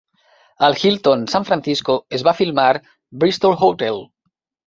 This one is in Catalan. Al Hilton San Francisco es va filmar "Bristol Hotel".